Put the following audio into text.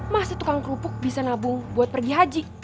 masih tukang kerupuk bisa nabung buat pergi haji